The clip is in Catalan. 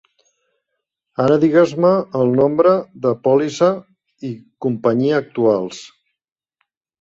Ara digues-me el nombre de pòlissa i companyia actuals.